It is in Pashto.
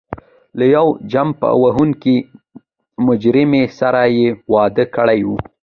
له یوې چمبه وهونکې مجرمې سره یې واده کړی و.